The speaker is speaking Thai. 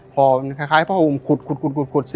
หอคล้ายผ้าผมขุด